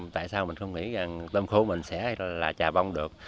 tại sao mình không nghĩ rằng tôm khô mình sẽ là chà bông được